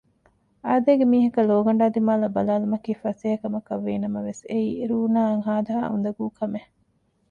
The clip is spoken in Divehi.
އާދައިގެ މީހަކަށް ލޯގަނޑާ ދިމާއަށް ބަލާލުމަކީ ފަސޭހަކަމަކަށް ވީނަމަވެސް އެއީ ރޫނާއަށް ހާދަހާ އުނދަގޫ ކަމެއް